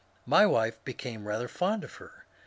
My wife became rather fond of her.